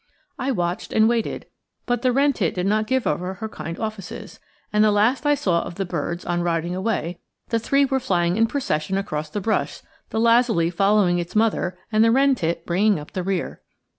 I watched and waited, but the wren tit did not give over her kind offices, and the last I saw of the birds, on riding away, the three were flying in procession across the brush, the lazuli following its mother and the wren tit bringing up the rear.